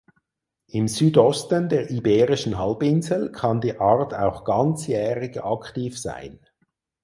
Im Südosten der Iberischen Halbinsel kann die Art auch ganzjährig aktiv sein.